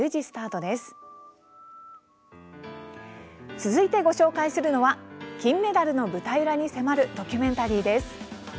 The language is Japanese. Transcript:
続いてご紹介するのは金メダルの舞台裏に迫るドキュメンタリーです。